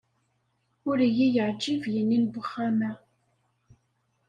Ur iyi-yeɛjib yini n wexxam-a.